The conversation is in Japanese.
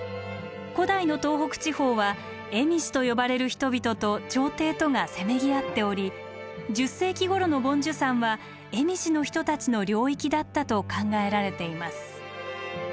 古代の東北地方は蝦夷と呼ばれる人々と朝廷とがせめぎ合っており１０世紀ごろの梵珠山は蝦夷の人たちの領域だったと考えられています。